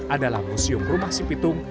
adalah museum rumah si pitung